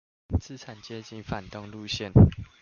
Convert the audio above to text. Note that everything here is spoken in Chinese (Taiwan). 資產階級反動路線